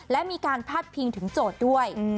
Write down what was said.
และมีการพาดพิงถึงโจทย์ด้วย